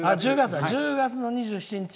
１０月２７日